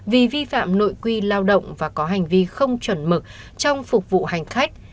vì vi phạm nội quy lao động và có hành vi không chuẩn mực trong phục vụ hành khách